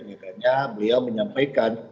yang beliau menyampaikan